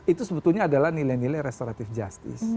itu sebetulnya adalah nilai nilai restoratif justice